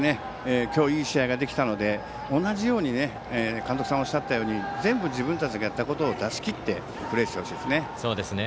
今日いい試合ができたので同じように監督さんがおっしゃったように全部、自分たちがやったことを出し切ってプレーしてほしいですね。